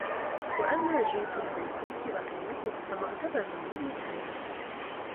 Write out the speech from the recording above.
وَأَمَّا جِنْسُ الْمَلْبُوسِ وَقِيمَتُهُ فَمُعْتَبَرٌ مِنْ وَجْهَيْنِ